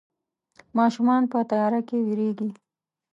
ماشومان په تياره کې ويرېږي.